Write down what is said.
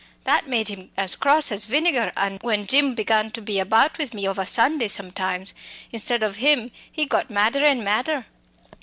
That made him as cross as vinegar, an' when Jim began to be about with me ov a Sunday sometimes, instead of him, he got madder and madder.